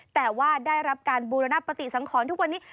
แต่ว่าได้รับการบูรณปฏิสังขรทุกวันนี้